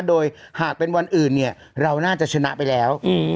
โดยหากเป็นวันอื่นเนี่ยเราน่าจะชนะไปแล้ว